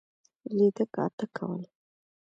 لیده کاته کول.